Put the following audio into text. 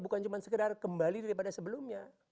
bukan cuma sekedar kembali daripada sebelumnya